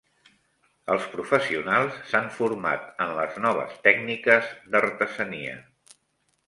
Els professionals s'han format en les noves tècniques d'artesania.